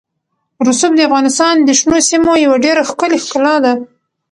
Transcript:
رسوب د افغانستان د شنو سیمو یوه ډېره ښکلې ښکلا ده.